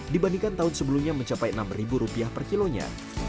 dibandingkan tahun sebelumnya mencapai rp enam per kilonya